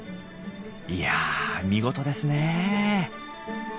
いや見事ですねえ。